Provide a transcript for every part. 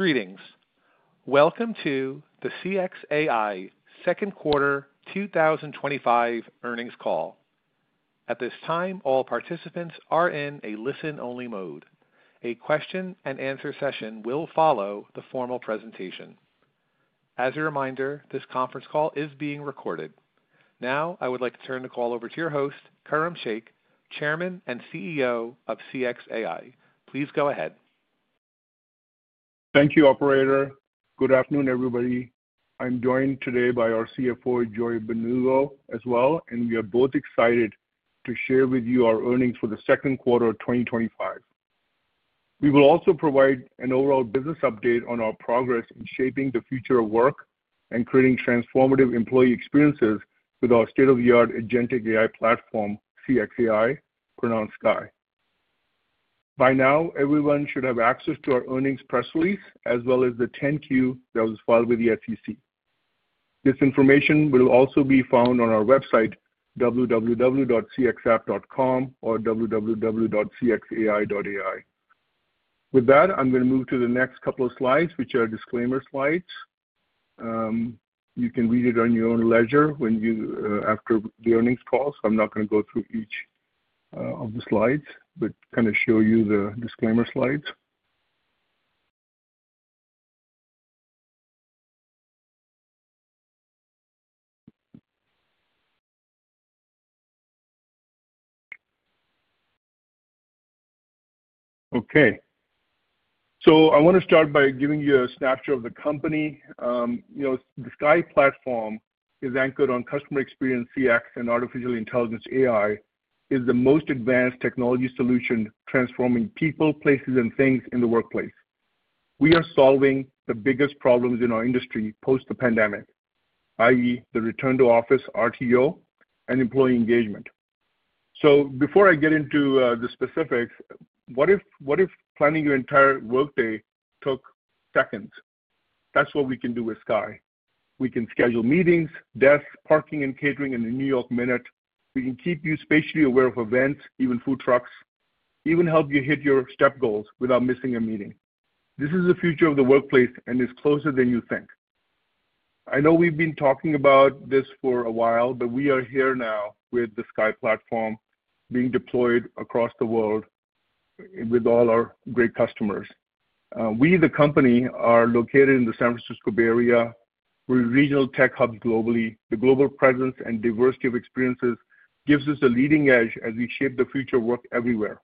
Greetings. Welcome to the CXAI Second Quarter 2025 Earnings Call. At this time, all participants are in a listen-only mode. A question and answer session will follow the formal presentation. As a reminder, this conference call is being recorded. Now, I would like to turn the call over to your host, Khurram Sheikh, Chairman and CEO of CXAI. Please go ahead. Thank you, Operator. Good afternoon, everybody. I'm joined today by our CFO, Joy Mbanugo, as well, and we are both excited to share with you our earnings for the second quarter of 2025. We will also provide an overall business update on our progress in shaping the future of work and creating transformative employee experiences with our state-of-the-art agentic AI platform, CXAI, pronounced sky. By now, everyone should have access to our earnings press release, as well as the 10-Q that was filed with the SEC. This information will also be found on our website, www.cxapp.com or www.cxai.ai. With that, I'm going to move to the next couple of slides, which are disclaimer slides. You can read it at your own leisure after the earnings call, so I'm not going to go through each of the slides, but kind of show you the disclaimer slides. Okay. I want to start by giving you a snapshot of the company. The CXAI platform is anchored on customer experience CX and artificial intelligence AI as the most advanced technology solution transforming people, places, and things in the workplace. We are solving the biggest problems in our industry post the pandemic, i.e., the return to office, RTO, and employee engagement. Before I get into the specifics, what if planning your entire workday took seconds? That's what we can do with CXAI. We can schedule meetings, desk, parking, and catering in the New York minute. We can keep you spatially aware of events, even food trucks, even help you hit your step goals without missing a meeting. This is the future of the workplace and is closer than you think. I know we've been talking about this for a while, but we are here now with the CXAI platform being deployed across the world with all our great customers. We, the company, are located in the San Francisco Bay Area. We're a regional tech hub globally. The global presence and diversity of experiences gives us a leading edge as we shape the future of work everywhere.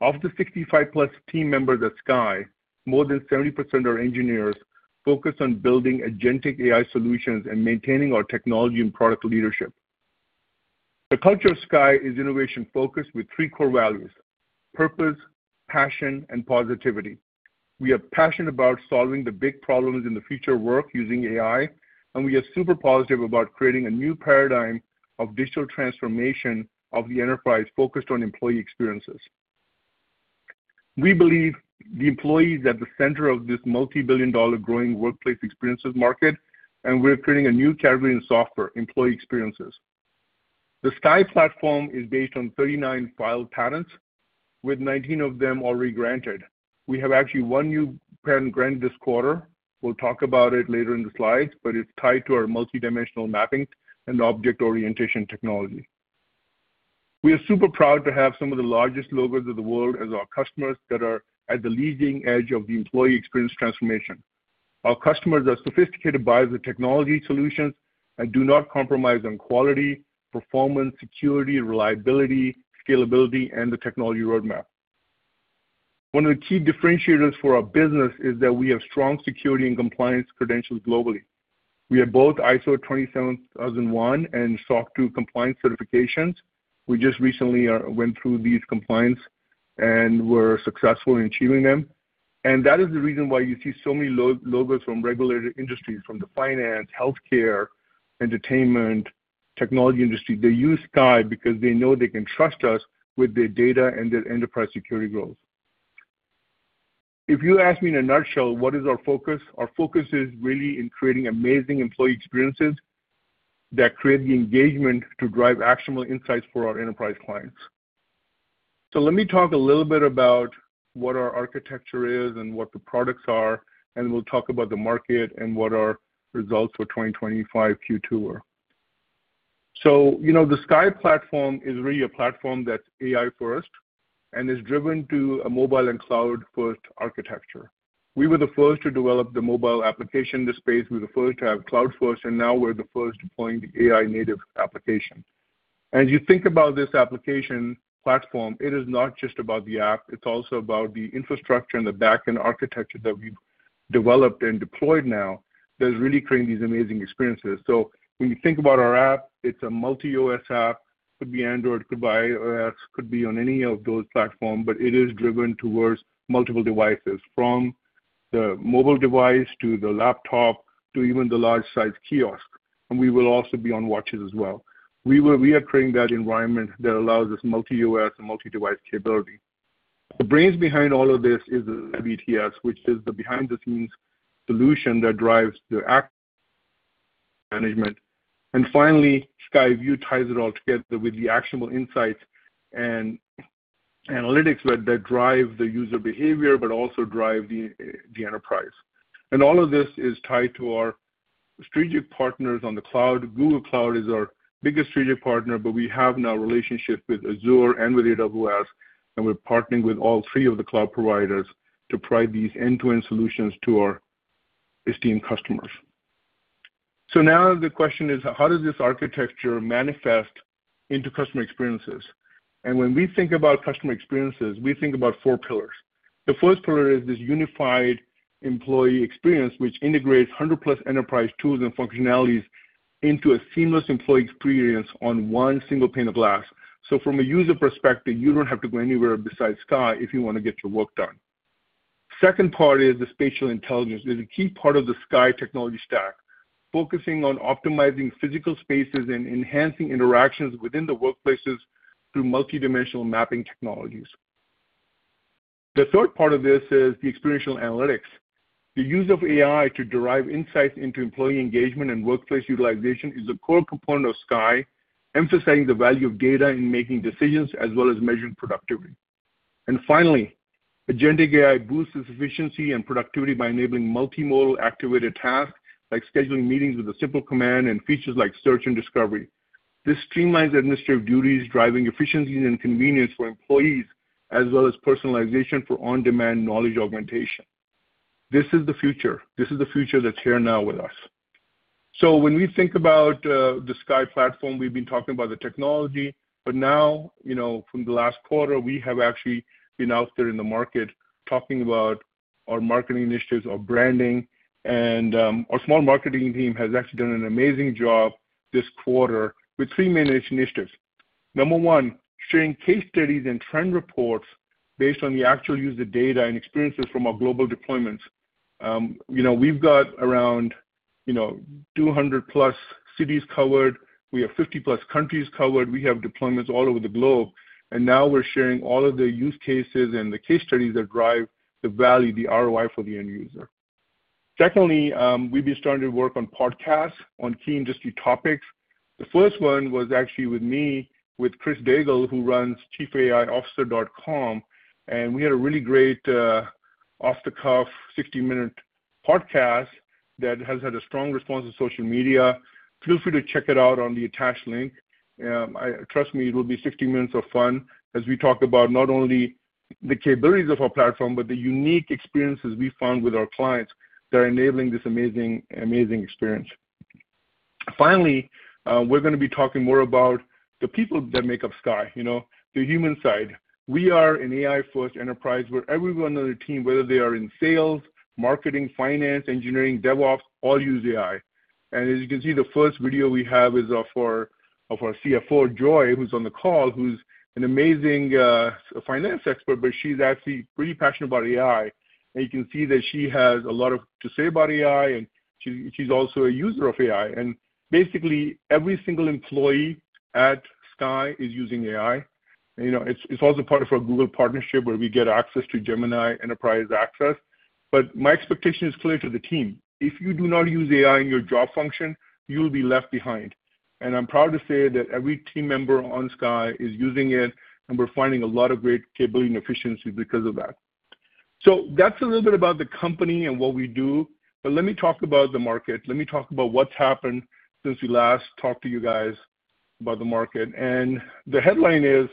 Of the 65+ team members at CXAI, more than 70% are engineers, focused on building agentic AI solutions and maintaining our technology and product leadership. The culture of CXAI is innovation-focused with three core values: purpose, passion, and positivity. We are passionate about solving the big problems in the future of work using AI, and we are super positive about creating a new paradigm of digital transformation of the enterprise focused on employee experiences. We believe the employees are at the center of this multi-billion dollar growing workplace experiences market, and we're creating a new category in software: employee experiences. The CXAI platform is based on 39 filed patents, with 19 of them already granted. We have actually one new patent granted this quarter. We'll talk about it later in the slides, but it's tied to our multi-dimensional mapping and object orientation technology. We are super proud to have some of the largest logos of the world as our customers that are at the leading edge of the employee experience transformation. Our customers are sophisticated by the technology solutions and do not compromise on quality, performance, security, reliability, scalability, and the technology roadmap. One of the key differentiators for our business is that we have strong security and compliance credentials globally. We have both ISO 27001 and SOC 2 compliance certifications. We just recently went through these compliance and were successful in achieving them. That is the reason why you see so many logos from regulated industries, from the finance, healthcare, entertainment, technology industry. They use CXAI because they know they can trust us with their data and their enterprise security growth. If you ask me in a nutshell, what is our focus? Our focus is really in creating amazing employee experiences that create the engagement to drive actionable insights for our enterprise clients. Let me talk a little bit about what our architecture is and what the products are, and we'll talk about the market and what our results for 2025 Q2 are. The CXAI platform is really a platform that's AI-first and is driven to a mobile and cloud-first architecture. We were the first to develop the mobile application in this space. We were the first to have cloud-first, and now we're the first deploying the AI-native application. As you think about this application platform, it is not just about the app. It's also about the infrastructure and the backend architecture that we've developed and deployed now that is really creating these amazing experiences. When you think about our app, it's a multi-OS app. It could be Android, it could be iOS, it could be on any of those platforms, but it is driven towards multiple devices, from the mobile device to the laptop to even the large-sized kiosks. We will also be on watches as well. We are creating that environment that allows this multi-OS and multi-device capability. The brains behind all of this is the BTS, which is the behind-the-scenes solution that drives the app management. Finally, CXAI VU ties it all together with the actionable insights and analytics that drive the user behavior, but also drive the enterprise. All of this is tied to our strategic partners on the cloud. Google Cloud is our biggest strategic partner, but we have now relationships with Azure and with AWS, and we're partnering with all three of the cloud providers to provide these end-to-end solutions to our esteemed customers. Now the question is, how does this architecture manifest into customer experiences? When we think about customer experiences, we think about four pillars. The first pillar is this unified employee experience, which integrates 100+ enterprise tools and functionalities into a seamless employee experience on one single pane of glass. From a user perspective, you don't have to go anywhere besides CXAI if you want to get your work done. The second part is the spatial intelligence. It's a key part of the CXAI technology stack, focusing on optimizing physical spaces and enhancing interactions within the workplaces through multi-dimensional mapping technologies. The third part of this is the experiential analytics. The use of AI to derive insights into employee engagement and workplace utilization is a core component of CXAI, emphasizing the value of data in making decisions, as well as measuring productivity. Finally, agentic AI boosts efficiency and productivity by enabling multimodal activated tasks, like scheduling meetings with a simple command and features like search and discovery. This streamlines administrative duties, driving efficiency and convenience for employees, as well as personalization for on-demand knowledge augmentation. This is the future. This is the future that's here now with us. When we think about the CXAI platform, we've been talking about the technology, but now, from the last quarter, we have actually been out there in the market talking about our marketing initiatives, our branding, and our small marketing team has actually done an amazing job this quarter with three main initiatives. Number one, sharing case studies and trend reports based on the actual user data and experiences from our global deployments. We've got around 200+ cities covered. We have 50+ countries covered. We have deployments all over the globe, and now we're sharing all of the use cases and the case studies that drive the value, the ROI for the end user. Secondly, we've been starting to work on podcasts on key industry topics. The first one was actually with me, with Chris Daigle, who runs ChiefAIOfficer.com. We had a really great off-the-cuff 60-minute podcast that has had a strong response to social media. Feel free to check it out on the attached link. Trust me, it will be 60 minutes of fun as we talk about not only the capabilities of our platform, but the unique experiences we found with our clients that are enabling this amazing, amazing experience. Finally, we're going to be talking more about the people that make up CXAI, you know, the human side. We are an AI-first enterprise where everyone on the team, whether they are in Sales, Marketing, Finance, Engineering, DevOps, all use AI. As you can see, the first video we have is of our CFO, Joy, who's on the call, who's an amazing finance expert, but she's actually pretty passionate about AI. You can see that she has a lot to say about AI, and she's also a user of AI. Basically, every single employee at CXAI is using AI. It's also part of our Google partnership where we get access to Gemini enterprise access. My expectation is clear to the team. If you do not use AI in your job function, you'll be left behind. I'm proud to say that every team member on CXAI is using it, and we're finding a lot of great capability and efficiency because of that. That's a little bit about the company and what we do. Let me talk about the market. Let me talk about what's happened since we last talked to you guys about the market. The headline is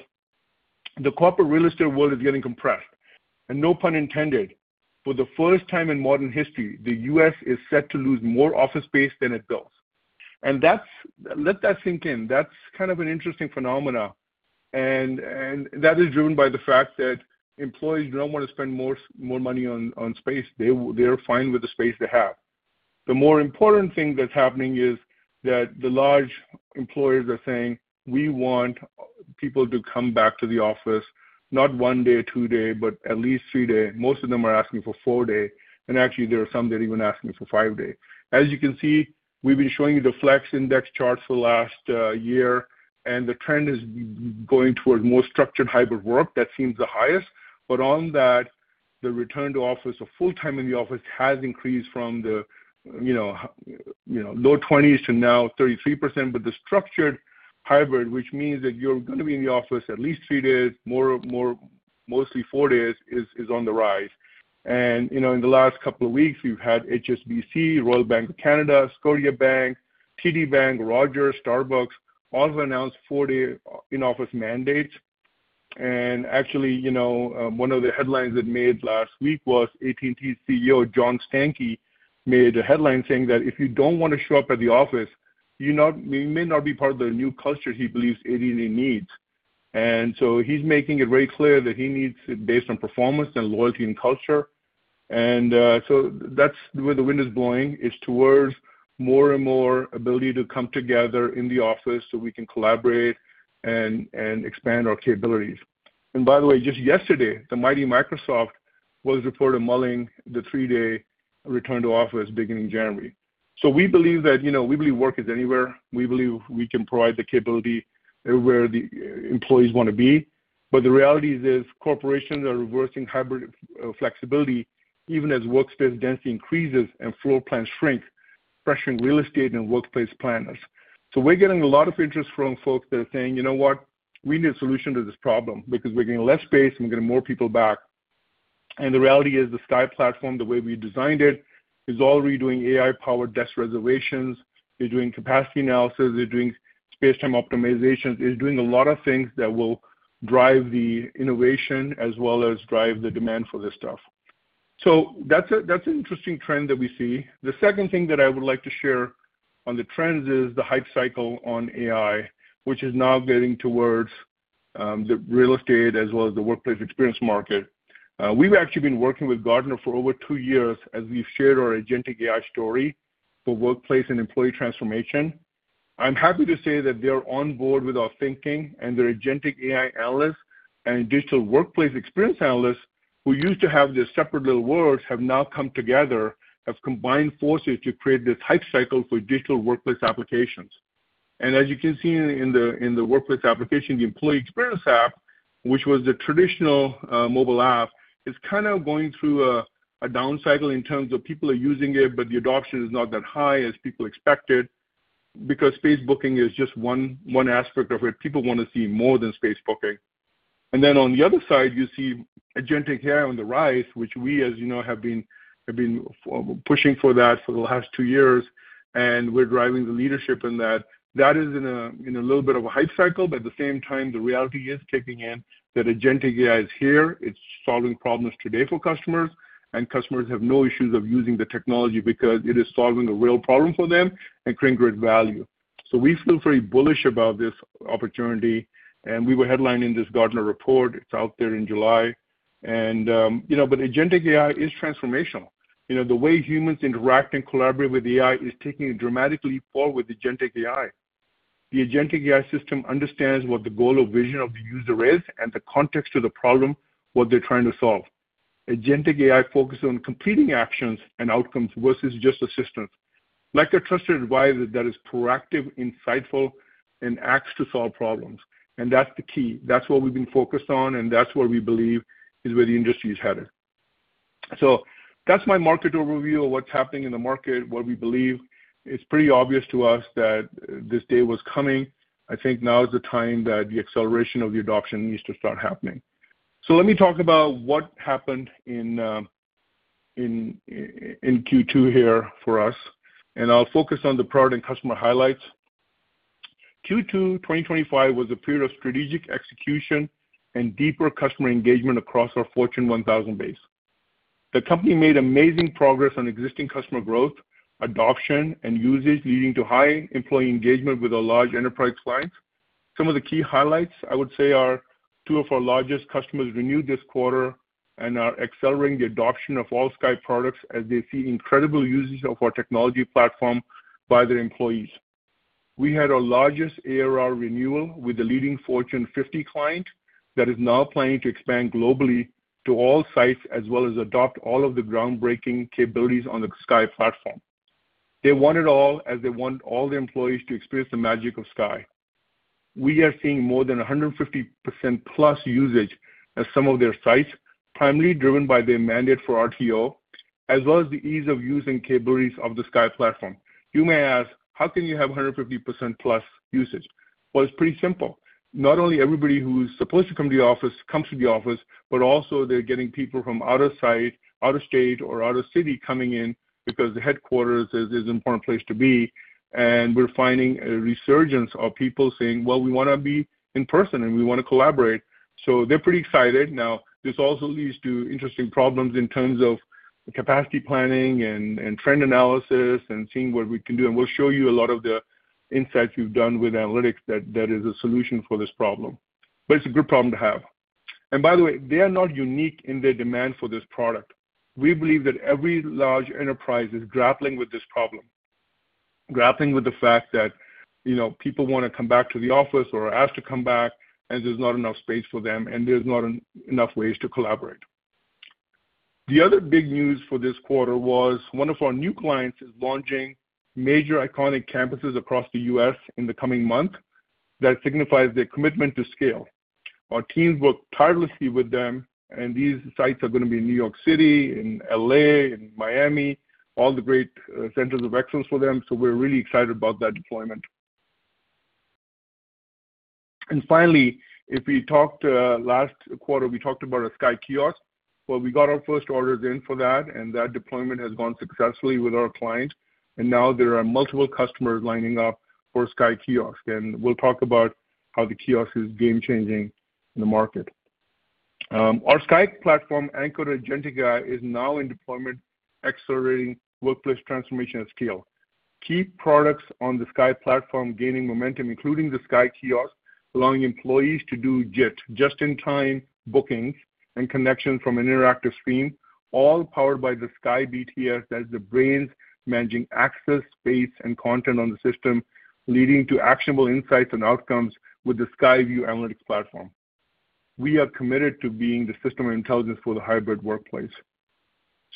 the corporate real estate world is getting compressed. No pun intended, for the first time in modern history, the U.S. is set to lose more office space than it builds. Let that sink in. That's kind of an interesting phenomenon. That is driven by the fact that employers do not want to spend more money on space. They're fine with the space they have. The more important thing that's happening is that the large employers are saying, we want people to come back to the office, not one day, two days, but at least three days. Most of them are asking for four days, and actually, there are some that are even asking for five days. As you can see, we've been showing you the flex index charts for the last year, and the trend is going towards more structured hybrid work. That seems the highest. On that, the return to office of full-time in the office has increased from the low 20s percent to now 33%. The structured hybrid, which means that you're going to be in the office at least three days, more, mostly four days, is on the rise. In the last couple of weeks, we've had HSBC, Royal Bank of Canada, Scotiabank, TD Bank, Rogers, Starbucks, all have announced four-day in-office mandates. Actually, one of the headlines that was made last week was AT&T CEO John Stankey made a headline saying that if you don't want to show up at the office, you may not be part of the new culture he believes AT&T needs. He's making it very clear that he needs it based on performance and loyalty and culture. That's where the wind is blowing, is towards more and more ability to come together in the office so we can collaborate and expand our capabilities. By the way, just yesterday, the mighty Microsoft was reported mulling the three-day return to office beginning January. We believe that, you know, we believe work is anywhere. We believe we can provide the capability everywhere the employees want to be. The reality is, corporations are reversing hybrid flexibility, even as workspace density increases and floor plans shrink, pressuring real estate and workplace planners. We're getting a lot of interest from folks that are saying, you know what, we need a solution to this problem because we're getting less space and we're getting more people back. The reality is the CXAI platform, the way we designed it, is already doing AI-powered desk reservations. You're doing capacity analysis. You're doing space-time optimizations. You're doing a lot of things that will drive the innovation as well as drive the demand for this stuff. That's an interesting trend that we see. The second thing that I would like to share on the trends is the hype cycle on AI, which is now getting towards the real estate as well as the workplace experience market. We've actually been working with Gartner for over two years as we've shared our agentic AI story for workplace and employee transformation. I'm happy to say that they're on board with our thinking, and their agentic AI analysts and digital workplace experience analysts who used to have their separate little worlds have now come together, have combined forces to create this hype cycle for digital workplace applications. As you can see in the workplace application, the employee experience app, which was the traditional mobile app, is kind of going through a down cycle in terms of people are using it, but the adoption is not that high as people expected because space booking is just one aspect of it. People want to see more than space booking. On the other side, you see agentic AI on the rise, which we, as you know, have been pushing for that for the last two years, and we're driving the leadership in that. That is in a little bit of a hype cycle, but at the same time, the reality is kicking in that agentic AI is here. It's solving problems today for customers, and customers have no issues of using the technology because it is solving a real problem for them and creating great value. We feel very bullish about this opportunity, and we were headlining this Gartner report. It's out there in July. Agentic AI is transformational. The way humans interact and collaborate with AI is taking it dramatically forward with agentic AI. The agentic AI system understands what the goal or vision of the user is and the context of the problem, what they're trying to solve. Agentic AI focuses on completing actions and outcomes versus just assistance, like a trusted advisor that is proactive, insightful, and acts to solve problems. That's the key. That's what we've been focused on, and that's what we believe is where the industry is headed. That's my market overview of what's happening in the market, what we believe. It's pretty obvious to us that this day was coming. I think now is the time that the acceleration of the adoption needs to start happening. Let me talk about what happened in Q2 here for us, and I'll focus on the product and customer highlights. Q2 2025 was a period of strategic execution and deeper customer engagement across our Fortune 1000 base. The company made amazing progress on existing customer growth, adoption, and usage, leading to high employee engagement with our large enterprise clients. Some of the key highlights, I would say, are two of our largest customers renewed this quarter and are accelerating the adoption of all CXAI products as they see incredible uses of our technology platform by their employees. We had our largest ARR renewal with the leading Fortune 50 client that is now planning to expand globally to all sites as well as adopt all of the groundbreaking capabilities on the CXAI platform. They want it all as they want all the employees to experience the magic of CXAI. We are seeing more than 150%+ usage at some of their sites, primarily driven by their mandate for RTO, as well as the ease of using capabilities of the CXAI platform. You may ask, how can you have 150%+ usage? It's pretty simple. Not only everybody who's supposed to come to the office comes to the office, but also they're getting people from out of site, out of state, or out of city coming in because the headquarters is an important place to be. We're finding a resurgence of people saying, we want to be in person and we want to collaborate. They're pretty excited. This also leads to interesting problems in terms of capacity planning and trend analysis and seeing what we can do. We'll show you a lot of the insights we've done with analytics that is a solution for this problem. It's a good problem to have. By the way, they are not unique in their demand for this product. We believe that every large enterprise is grappling with this problem, grappling with the fact that people want to come back to the office or are asked to come back, and there's not enough space for them, and there's not enough ways to collaborate. The other big news for this quarter was one of our new clients is launching major iconic campuses across the U.S. in the coming month. That signifies their commitment to scale. Our teams work tirelessly with them, and these sites are going to be in New York City, in L.A., in Miami, all the great centers of excellence for them. We're really excited about that deployment. Finally, if we talked last quarter, we talked about a CXAI Kiosk. We got our first orders in for that, and that deployment has gone successfully with our clients. Now there are multiple customers lining up for CXAI Kiosk. We'll talk about how the kiosk is game-changing in the market. Our CXAI platform, anchored agentic AI, is now in deployment, accelerating workplace transformation at scale. Key products on the CXAI platform are gaining momentum, including the CXAI Kiosk, allowing employees to do just-in-time bookings and connections from an interactive screen, all powered by the CXAI BTS that's the brains managing access, space, and content on the system, leading to actionable insights and outcomes with the CXAI VU analytics platform. We are committed to being the system of intelligence for the hybrid workplace.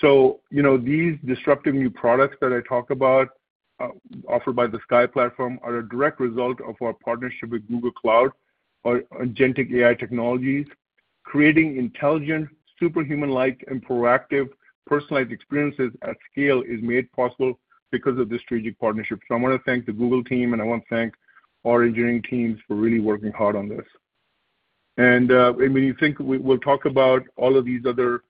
These disruptive new products that I talk about, offered by the CXAI platform, are a direct result of our partnership with Google Cloud for agentic AI technologies. Creating intelligent, superhuman-like, and proactive personalized experiences at scale is made possible because of this strategic partnership. I want to thank the Google team, and I want to thank our engineering teams for really working hard on this. When you think, we'll talk about all of these other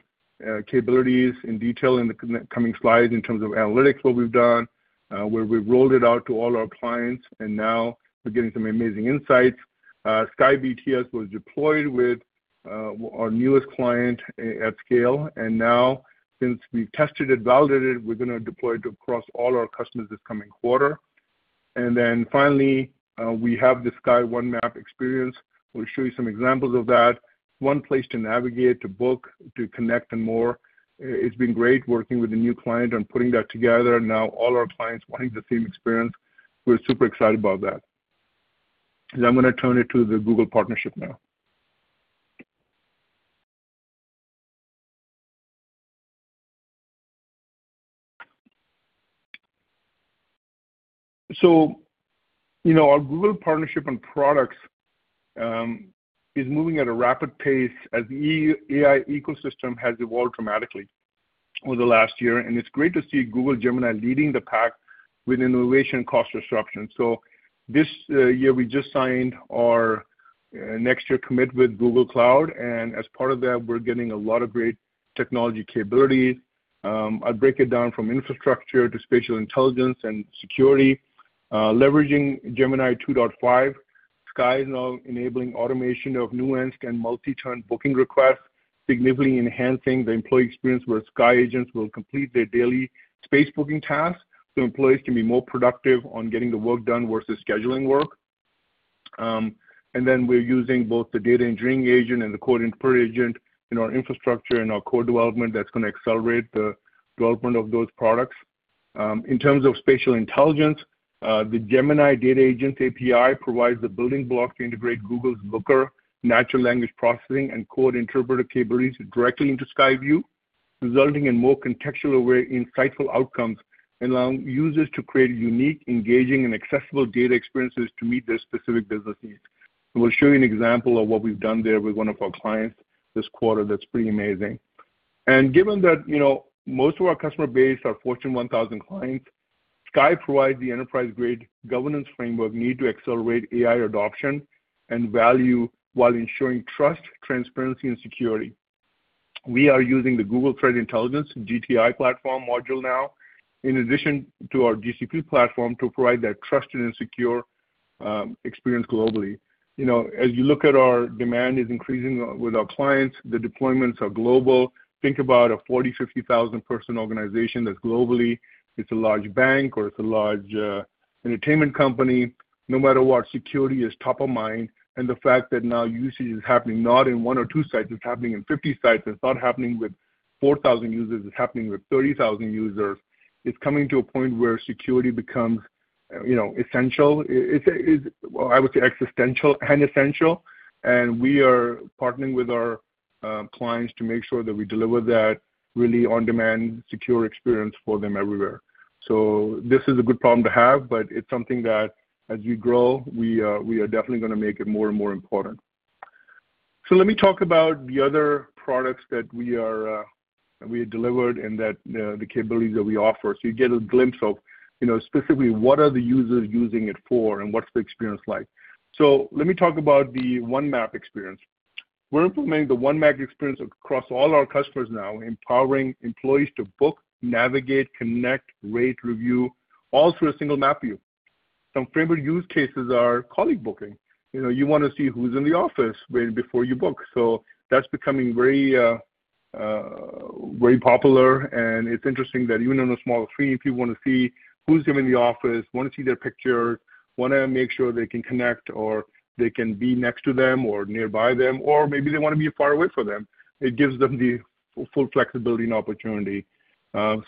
capabilities in detail in the coming slides in terms of analytics, what we've done, where we've rolled it out to all our clients, and now we're getting some amazing insights. CXAI BTS was deployed with our newest client at scale, and now, since we've tested it, validated it, we're going to deploy it across all our customers this coming quarter. Finally, we have the CXAI OneMap experience. We'll show you some examples of that. One place to navigate, to book, to connect, and more. It's been great working with a new client on putting that together. Now all our clients want the same experience. We're super excited about that. I'm going to turn it to the Google partnership now. Our Google partnership and products are moving at a rapid pace as the AI ecosystem has evolved dramatically over the last year. It's great to see Google Gemini leading the pack with innovation and cost disruption. This year, we just signed our next year commit with Google Cloud. As part of that, we're getting a lot of great technology capabilities. I'll break it down from infrastructure to spatial intelligence and security. Leveraging Gemini 2.5, CXAI is now enabling automation of nuanced and multi-turn booking requests, significantly enhancing the employee experience where CXAI agents will complete their daily space booking tasks so employees can be more productive on getting the work done versus scheduling work. We are using both the data engineering agent and the code infer agent in our infrastructure and our code development. That's going to accelerate the development of those products. In terms of spatial intelligence, the Gemini data agents API provides the building block to integrate Google's Looker, natural language processing, and code interpreter capabilities directly into CXAI VU, resulting in more contextual and insightful outcomes and allowing users to create unique, engaging, and accessible data experiences to meet their specific business needs. We'll show you an example of what we've done there with one of our clients this quarter that's pretty amazing. Given that most of our customer base are Fortune 1000 clients, CXAI provides the enterprise-grade governance framework needed to accelerate AI adoption and value while ensuring trust, transparency, and security. We are using the Google Threat Intelligence, GTI platform module now, in addition to our GCP platform, to provide that trusted and secure experience globally. As you look at our demand increasing with our clients, the deployments are global. Think about a 40,000-50,000 person organization that's globally. It's a large bank or it's a large entertainment company. No matter what, security is top of mind. The fact that now usage is happening not in one or two sites, it's happening in 50 sites. It's not happening with 4,000 users. It's happening with 30,000 users. It's coming to a point where security becomes essential. It's, I would say, existential and essential. We are partnering with our clients to make sure that we deliver that really on-demand, secure experience for them everywhere. This is a good problem to have, but it's something that as we grow, we are definitely going to make it more and more important. Let me talk about the other products that we have delivered and the capabilities that we offer so you get a glimpse of specifically what the users are using it for and what the experience is like. Let me talk about the OneMap experience. We're implementing the OneMap experience across all our customers now, empowering employees to book, navigate, connect, rate, review, all through a single map view. Some favorite use cases are colleague booking. You want to see who's in the office way before you book. That's becoming very, very popular. It's interesting that even in a small screen, if you want to see who's given the office, want to see their picture, want to make sure they can connect or they can be next to them or nearby them, or maybe they want to be far away from them, it gives them the full flexibility and opportunity.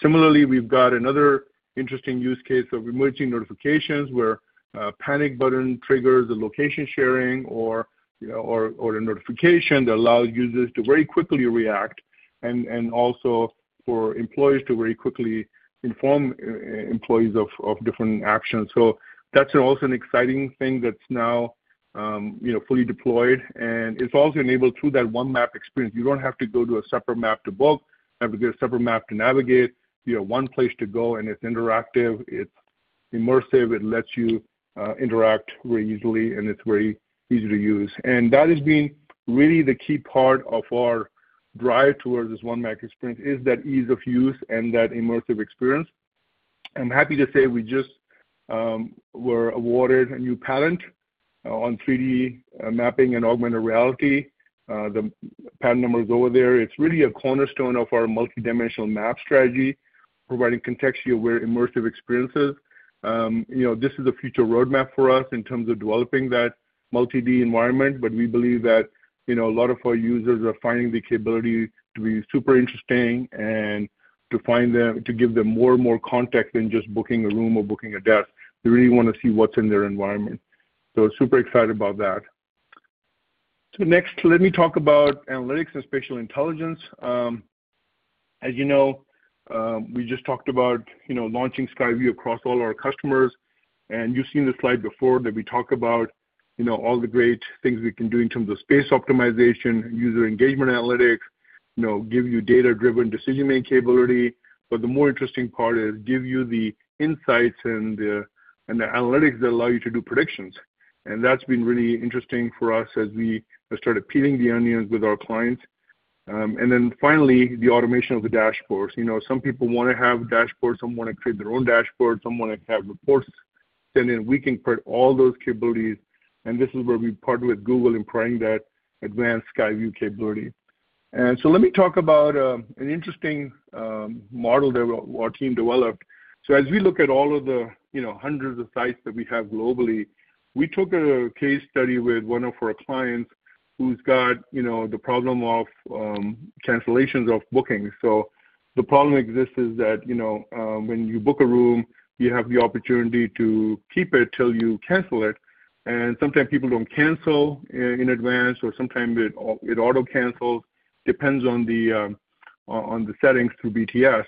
Similarly, we've got another interesting use case of emerging notifications where a panic button triggers the location sharing or a notification that allows users to very quickly react and also for employees to very quickly inform employees of different actions. That's also an exciting thing that's now fully deployed, and it's also enabled through that OneMap experience. You don't have to go to a separate map to book. You have to get a separate map to navigate. You have one place to go, and it's interactive. It's immersive. It lets you interact very easily, and it's very easy to use. That has been really the key part of our drive towards this OneMap experience, that ease of use and that immersive experience. I'm happy to say we just were awarded a new patent on 3D mapping and augmented reality. The patent number is over there. It's really a cornerstone of our multi-dimensional map strategy, providing contextual immersive experiences. This is a future roadmap for us in terms of developing that multi-D environment, but we believe that a lot of our users are finding the capability to be super interesting and to give them more and more context than just booking a room or booking a desk. They really want to see what's in their environment. Super excited about that. Next, let me talk about analytics and spatial intelligence. As you know, we just talked about launching CXAI VU across all our customers. You've seen the slide before that we talk about all the great things we can do in terms of space optimization, user engagement analytics, give you data-driven decision-making capability. The more interesting part is give you the insights and the analytics that allow you to do predictions. That's been really interesting for us as we started peeling the onions with our clients. Finally, the automation of the dashboards. Some people want to have dashboards, some want to create their own dashboards, some want to have reports, and then we can create all those capabilities. This is where we partner with Google in providing that advanced CXAI VU capability. Let me talk about an interesting model that our team developed. As we look at all of the hundreds of sites that we have globally, we took a case study with one of our clients who's got the problem of cancellations of bookings. The problem exists that when you book a room, you have the opportunity to keep it till you cancel it. Sometimes people don't cancel in advance, or sometimes it auto-cancels. It depends on the settings through BTS.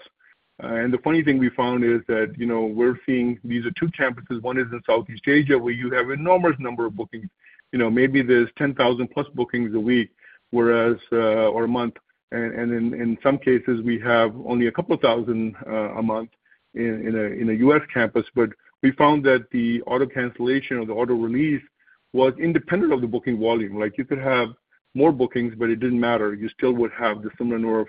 The funny thing we found is that we're seeing these are two campuses. One is in Southeast Asia, where you have an enormous number of bookings. Maybe there's 10,000+ bookings a week or a month. In some cases, we have only a couple of thousand a month in a U.S. campus. We found that the auto-cancellation or the auto-release was independent of the booking volume. You could have more bookings, but it didn't matter. You still would have a similar number of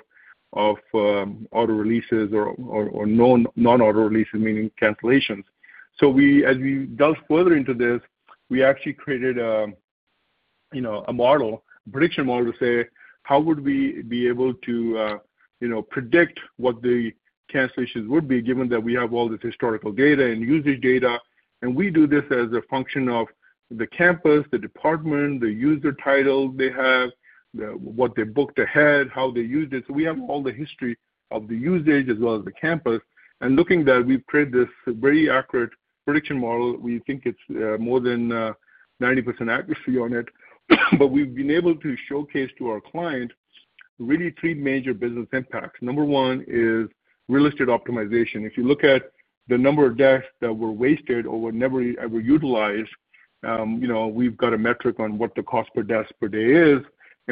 auto-releases or non-auto-releases, meaning cancellations. As we delve further into this, we actually created a model, a prediction model, to say, how would we be able to predict what the cancellations would be, given that we have all this historical data and usage data. We do this as a function of the campus, the department, the user title they have, what they booked ahead, how they used it. We have all the history of the usage as well as the campus. Looking at that, we've created this very accurate prediction model. We think it's more than 90% accuracy on it. We've been able to showcase to our client really three major business impacts. Number one is real estate optimization. If you look at the number of desks that were wasted or were never ever utilized, we've got a metric on what the cost per desk per day is.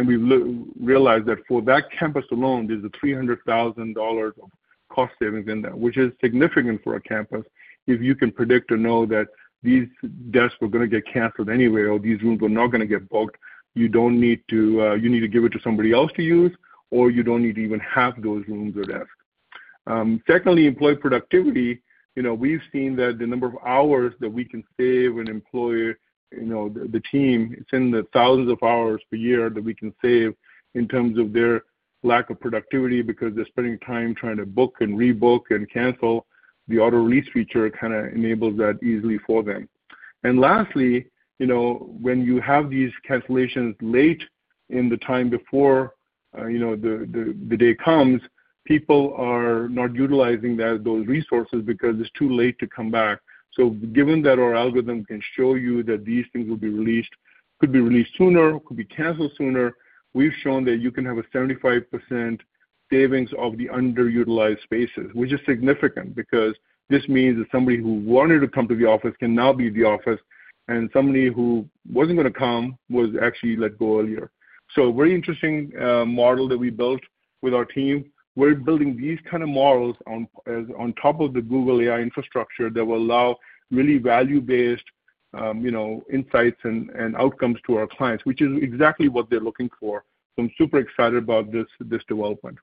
We've realized that for that campus alone, there's $300,000 of cost savings in there, which is significant for a campus. If you can predict or know that these desks were going to get canceled anyway, or these rooms were not going to get booked, you need to give it to somebody else to use, or you don't need to even have those rooms or desks. Secondly, employee productivity. We've seen that the number of hours that we can save an employee, the team, it's in the thousands of hours per year that we can save in terms of their lack of productivity because they're spending time trying to book and rebook and cancel. The auto-release feature enables that easily for them. Lastly, when you have these cancellations late in the time before the day comes, people are not utilizing those resources because it's too late to come back. Given that our algorithm can show you that these things will be released, could be released sooner, could be canceled sooner, we've shown that you can have a 75% savings of the underutilized spaces, which is significant because this means that somebody who wanted to come to the office can now be at the office, and somebody who wasn't going to come was actually let go earlier. A very interesting model that we built with our team. We're building these kind of models on top of the Google AI infrastructure that will allow really value-based insights and outcomes to our clients, which is exactly what they're looking for. I'm super excited about this development.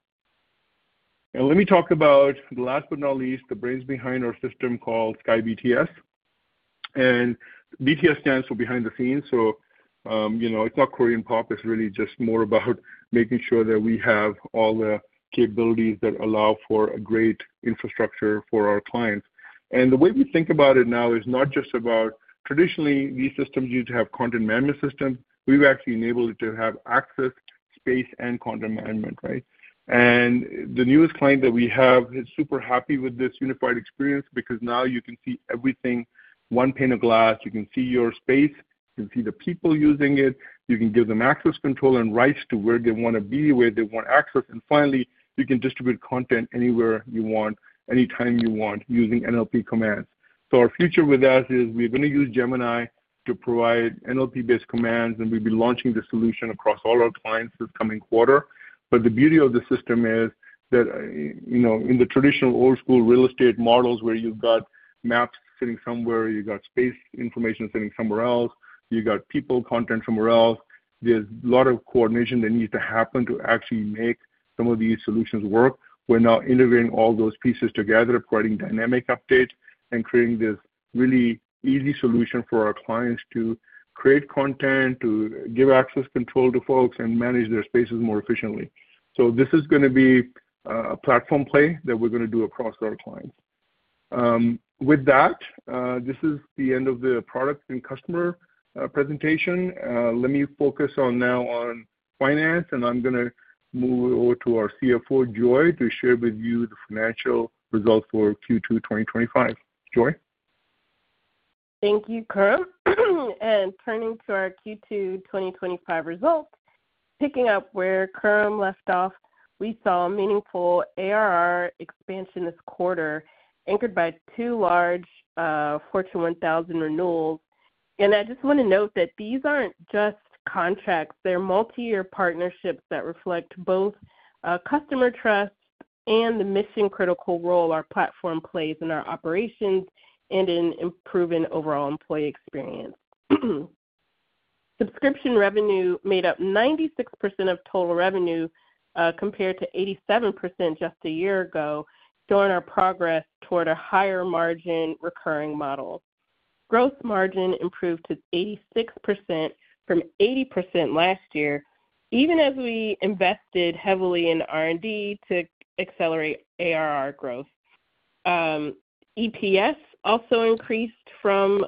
Let me talk about, last but not least, the brains behind our system called CXAI BTS. BTS stands for behind the scenes. It's not Korean pop. It's really just more about making sure that we have all the capabilities that allow for a great infrastructure for our clients. The way we think about it now is not just about traditionally these systems need to have content management systems. We've actually enabled it to have access, space, and content management. The newest client that we have is super happy with this unified experience because now you can see everything one pane of glass. You can see your space. You can see the people using it. You can give them access control and rights to where they want to be, where they want access. Finally, you can distribute content anywhere you want, anytime you want, using NLP commands. Our future with us is we're going to use Gemini to provide NLP-based commands, and we'll be launching the solution across all our clients this coming quarter. The beauty of the system is that, you know, in the traditional old-school real estate models where you've got maps sitting somewhere, you've got space information sitting somewhere else, you've got people content somewhere else, there's a lot of coordination that needs to happen to actually make some of these solutions work. We're now integrating all those pieces together, providing dynamic updates, and creating this really easy solution for our clients to create content, to give access control to folks, and manage their spaces more efficiently. This is going to be a platform play that we're going to do across our clients. With that, this is the end of the product and customer presentation. Let me focus now on finance, and I'm going to move over to our CFO, Joy, to share with you the financial results for Q2 2025. Joy. Thank you, Khurram. Turning to our Q2 2025 results, picking up where Khurram left off, we saw a meaningful ARR expansion this quarter, anchored by two large Fortune 1000 renewals. I just want to note that these aren't just contracts. They're multi-year partnerships that reflect both customer trust and the mission-critical role our platform plays in our operations and in improving overall employee experience. Subscription revenue made up 96% of total revenue compared to 87% just a year ago, showing our progress toward a higher margin recurring model. Gross margin improved to 86% from 80% last year, even as we invested heavily in R&D to accelerate ARR growth. EPS also increased from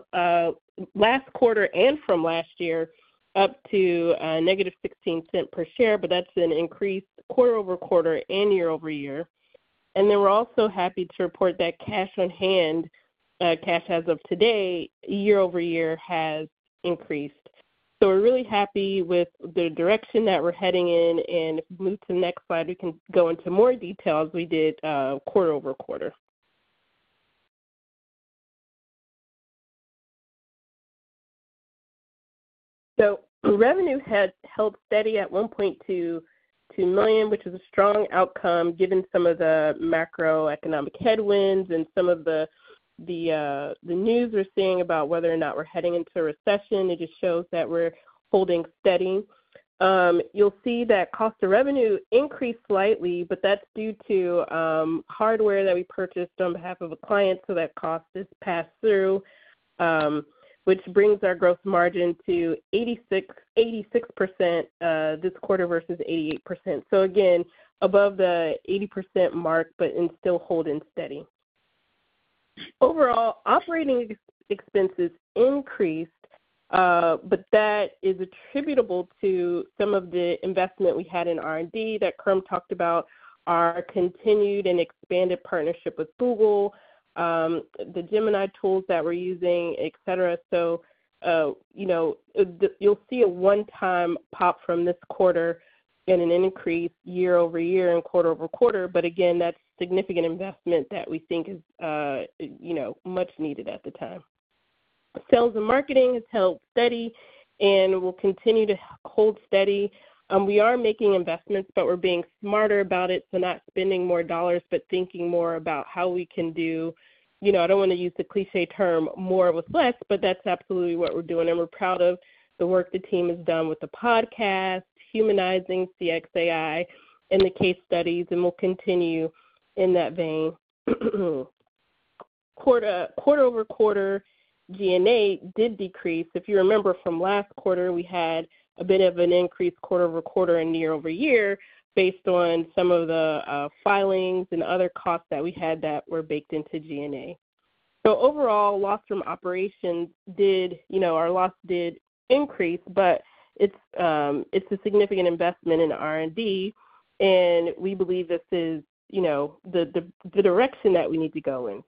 last quarter and from last year up to a -$0.16 per share, but that's an increase quarter-over-quarter and year-over-year. We're also happy to report that cash on hand, cash as of today, year-over-year has increased. We're really happy with the direction that we're heading in. If we move to the next slide, we can go into more detail as we did quarter-over-quarter. Revenue has held steady at $1.2 million, which is a strong outcome given some of the macroeconomic headwinds and some of the news we're seeing about whether or not we're heading into a recession. It just shows that we're holding steady. You'll see that cost of revenue increased slightly, but that's due to hardware that we purchased on behalf of a client, so that cost is passed through, which brings our gross margin to 86% this quarter versus 88%. Again, above the 80% mark, but still holding steady. Overall, operating expenses increased, but that is attributable to some of the investment we had in R&D that Khurram talked about, our continued and expanded partnership with Google, the Gemini tools that we're using, etc. You'll see a one-time pop from this quarter and an increase year-over-year and quarter-over-quarter. That's significant investment that we think is much needed at the time. Sales and marketing has held steady and will continue to hold steady. We are making investments, but we're being smarter about it, not spending more dollars, but thinking more about how we can do, I don't want to use the cliché term more with less, but that's absolutely what we're doing. We're proud of the work the team has done with the podcast, humanizing CXAI, and the case studies, and we'll continue in that vein. quarter-over-quarter, G&A did decrease. If you remember from last quarter, we had a bit of an increase quarter-over-quarter and year-over-year based on some of the filings and other costs that we had that were baked into G&A. Overall, loss from operations did increase, but it's a significant investment in R&D, and we believe this is the direction that we need to go in.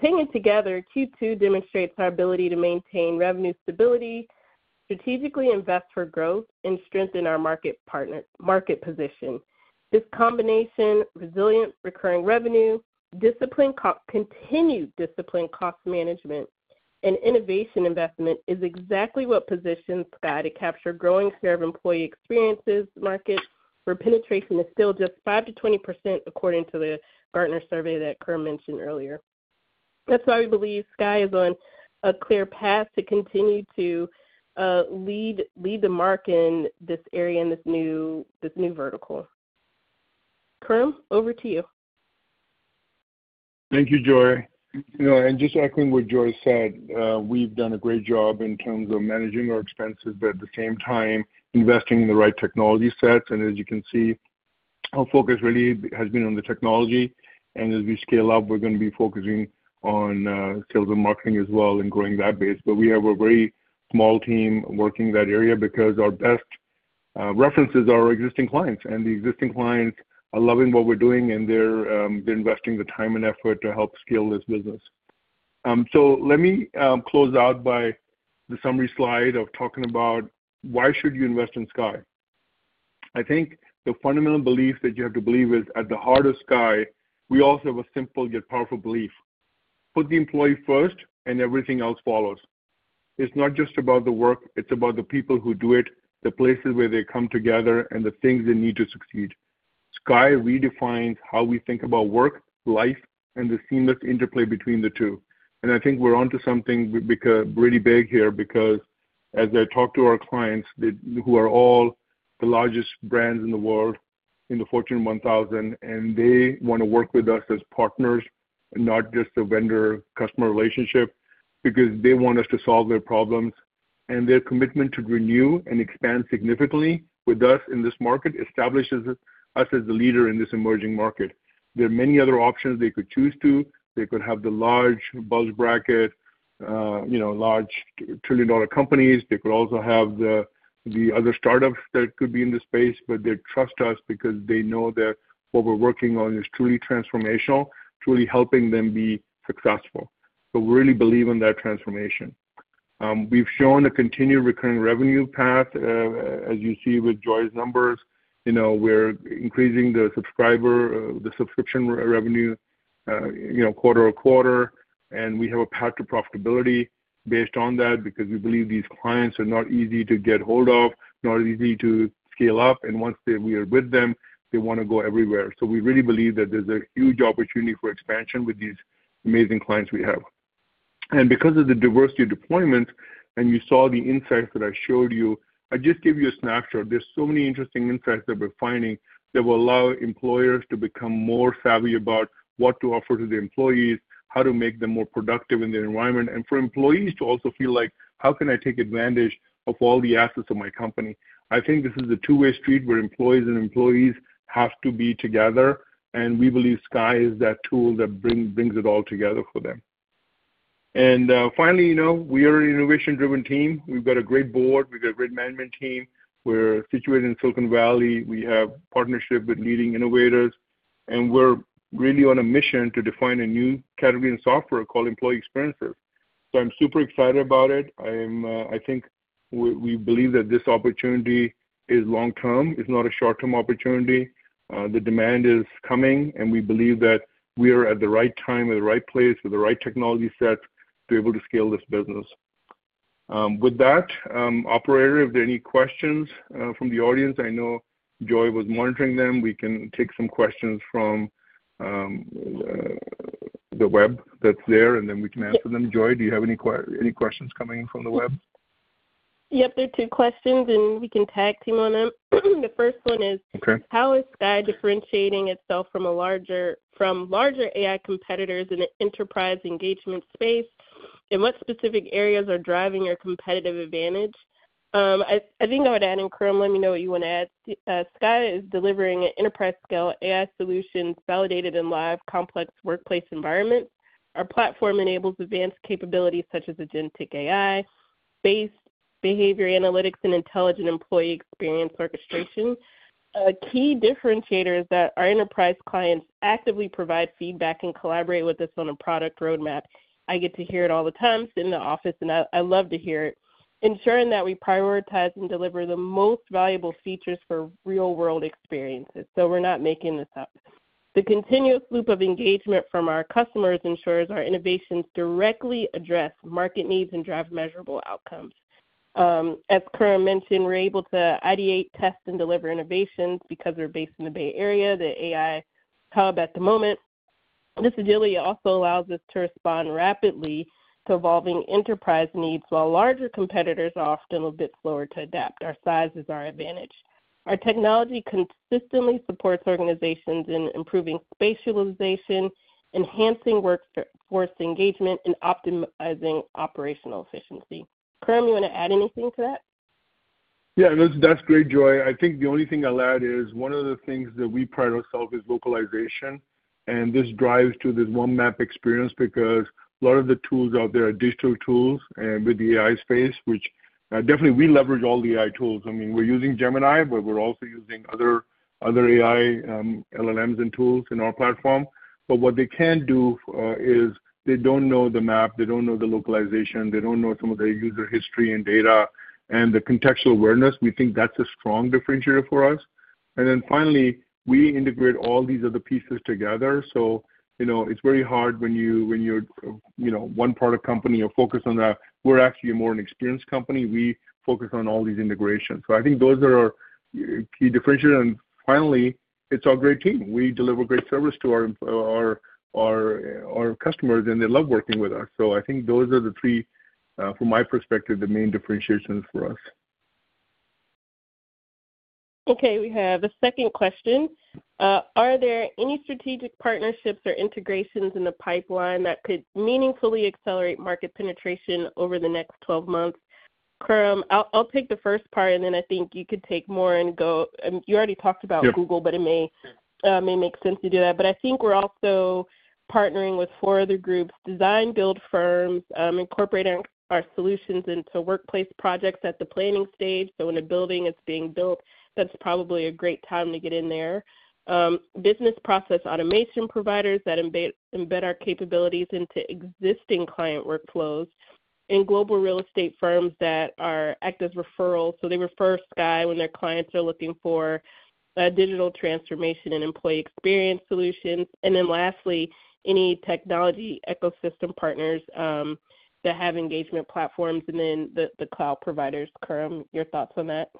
Taken together, Q2 demonstrates our ability to maintain revenue stability, strategically invest for growth, and strengthen our market partner market position. This combination of resilient recurring revenue, continued discipline cost management, and innovation investment is exactly what positions CXAI to capture growing share of employee experiences market where penetration is still just 5%-20% according to the Gartner survey that Khurram mentioned earlier. That's why we believe CXAI is on a clear path to continue to lead the mark in this area and this new vertical. Khurram, over to you. Thank you, Joy. Echoing what Joy said, we've done a great job in terms of managing our expenses, but at the same time, investing in the right technology sets. As you can see, our focus really has been on the technology. As we scale up, we're going to be focusing on sales and marketing as well and growing that base. We have a very small team working in that area because our best references are our existing clients. The existing clients are loving what we're doing, and they're investing the time and effort to help scale this business. Let me close out by the summary slide of talking about why should you invest in CXAI. I think the fundamental belief that you have to believe is at the heart of CXAI, we also have a simple yet powerful belief: put the employee first and everything else follows. It's not just about the work. It's about the people who do it, the places where they come together, and the things they need to succeed. CXAI redefines how we think about work, life, and the seamless interplay between the two. I think we're onto something really big here because as I talk to our clients who are all the largest brands in the world in the Fortune 1000, they want to work with us as partners and not just a vendor-customer relationship because they want us to solve their problems. Their commitment to renew and expand significantly with us in this market establishes us as the leader in this emerging market. There are many other options they could choose to. They could have the large bulge bracket, large trillion-dollar companies. They could also have the other startups that could be in this space, but they trust us because they know that what we're working on is truly transformational, truly helping them be successful. We really believe in that transformation. We've shown a continued recurring revenue path, as you see with Joy's numbers. We're increasing the subscription revenue, quarter-over-quarter. We have a path to profitability based on that because we believe these clients are not easy to get hold of, not easy to scale up. Once we are with them, they want to go everywhere. We really believe that there's a huge opportunity for expansion with these amazing clients we have. Because of the diversity of deployment and you saw the insights that I showed you, I just gave you a snapshot. There are so many interesting insights that we're finding that will allow employers to become more savvy about what to offer to their employees, how to make them more productive in their environment, and for employees to also feel like, how can I take advantage of all the assets of my company? I think this is a two-way street where employers and employees have to be together. We believe CXAI is that tool that brings it all together for them. Finally, we are an innovation-driven team. We've got a great board. We've got a great management team. We're situated in Silicon Valley. We have a partnership with leading innovators. We're really on a mission to define a new category in software called Employee Experience. I'm super excited about it. We believe that this opportunity is long-term. It's not a short-term opportunity. The demand is coming, and we believe that we are at the right time and the right place with the right technology sets to be able to scale this business. With that, Operator, if there are any questions from the audience, I know Joy was monitoring them. We can take some questions from the web that's there, and then we can answer them. Joy, do you have any questions coming in from the web? Yep, there are two questions, and we can tag team on them. The first one is, how is CXAI differentiating itself from larger AI competitors in the enterprise engagement space? What specific areas are driving your competitive advantage? I think I would add, and Khurram, let me know what you want to add. CXAI is delivering an enterprise-scale AI solution validated in live complex workplace environments. Our platform enables advanced capabilities such as agentic AI, space, behavior analytics, and intelligent employee experience orchestration. A key differentiator is that our enterprise clients actively provide feedback and collaborate with us on a product roadmap. I get to hear it all the time sitting in the office, and I love to hear it, ensuring that we prioritize and deliver the most valuable features for real-world experiences. We're not making this up. The continuous loop of engagement from our customers ensures our innovations directly address market needs and drive measurable outcomes. As Khurram mentioned, we're able to ideate, test, and deliver innovations because we're based in the Bay Area, the AI hub at the moment. This agility also allows us to respond rapidly to evolving enterprise needs while larger competitors are often a bit slower to adapt. Our size is our advantage. Our technology consistently supports organizations in improving spatialization, enhancing workforce engagement, and optimizing operational efficiency. Khurram, you want to add anything to that? Yeah, that's great, Joy. I think the only thing I'll add is one of the things that we pride ourselves on is localization. This drives to this OneMap experience because a lot of the tools out there are digital tools and with the AI space, which definitely we leverage all the AI tools. I mean, we're using Gemini, but we're also using other AI LLMs and tools in our platform. What they can't do is they don't know the map. They don't know the localization. They don't know some of the user history and data and the contextual awareness. We think that's a strong differentiator for us. Finally, we integrate all these other pieces together. It's very hard when you're one product company or focused on that. We're actually more an experienced company. We focus on all these integrations. I think those are our key differentiators. Finally, it's our great team. We deliver great service to our customers, and they love working with us. I think those are the three, from my perspective, the main differentiations for us. Okay, we have a second question. Are there any strategic partnerships or integrations in the pipeline that could meaningfully accelerate market penetration over the next 12 months? Khurram, I'll take the first part, and then I think you could take more and go. You already talked about Google, but it may make sense to do that. I think we're also partnering with four other groups: design-build firms, incorporating our solutions into workplace projects at the planning stage. When a building is being built, that's probably a great time to get in there. Business process automation providers that embed our capabilities into existing client workflows, and global real estate firms that act as referrals. They refer CXAI when their clients are looking for digital transformation and employee experience solutions. Lastly, any technology ecosystem partners that have engagement platforms and then the cloud providers. Khurram, your thoughts on that?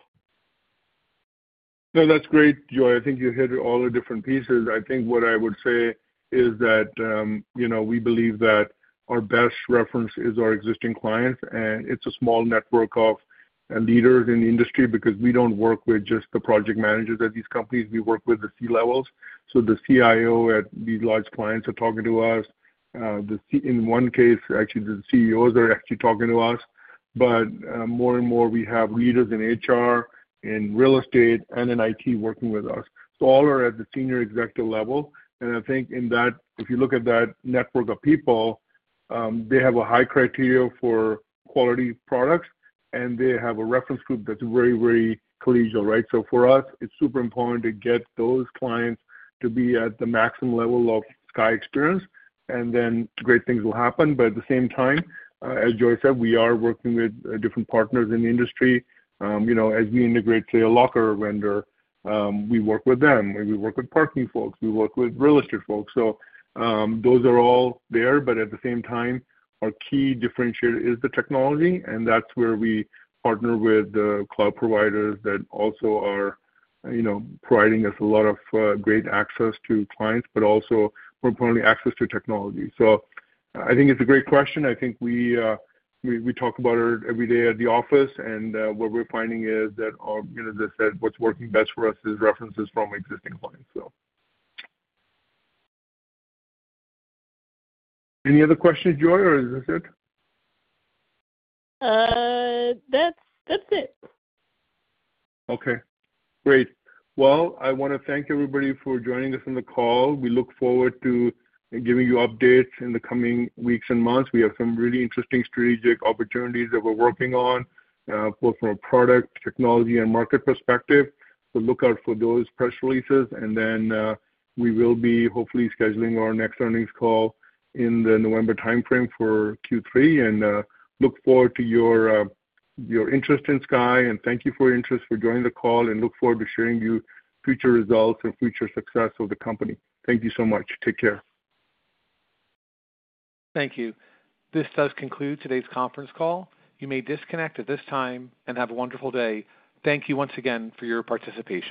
No, that's great, Joy. I think you hit all the different pieces. I think what I would say is that we believe that our best reference is our existing clients. It's a small network of leaders in the industry because we don't work with just the project managers at these companies. We work with the C-levels. The CIO at these large clients are talking to us. In one case, actually, the CEOs are actually talking to us. More and more, we have leaders in HR, in real estate, and in IT working with us. All are at the senior executive level. I think in that, if you look at that network of people, they have a high criteria for quality products, and they have a reference group that's very, very collegial, right? For us, it's super important to get those clients to be at the maximum level of CXAI experience, and then great things will happen. At the same time, as Joy said, we are working with different partners in the industry. As we integrate to a locker vendor, we work with them. We work with parking folks. We work with real estate folks. Those are all there. At the same time, our key differentiator is the technology, and that's where we partner with the cloud providers that also are providing us a lot of great access to clients, but also more importantly, access to technology. I think it's a great question. I think we talk about it every day at the office, and what we're finding is that, as I said, what's working best for us is references from existing clients. Any other questions, Joy, or is this it? That's it. Great. I want to thank everybody for joining us on the call. We look forward to giving you updates in the coming weeks and months. We have some really interesting strategic opportunities that we're working on, both from a product, technology, and market perspective. Look out for those press releases. We will be hopefully scheduling our next earnings call in the November timeframe for Q3. I look forward to your interest in CXAI. Thank you for your interest for joining the call, and look forward to sharing you future results and future success of the company. Thank you so much. Take care. Thank you. This does conclude today's conference call. You may disconnect at this time and have a wonderful day. Thank you once again for your participation.